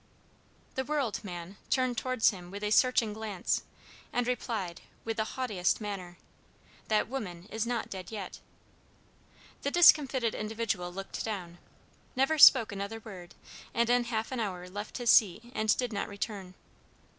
"The World man turned towards him with a searching glance, and replied, with the haughtiest manner: 'That woman is not dead yet.' "The discomfited individual looked down, never spoke another word, and in half an hour left his seat, and did not return.